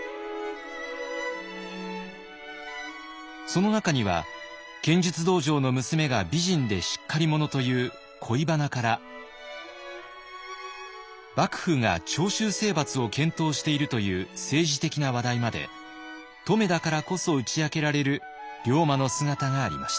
その中には剣術道場の娘が美人でしっかり者という恋バナから幕府が長州征伐を検討しているという政治的な話題まで乙女だからこそ打ち明けられる龍馬の姿がありました。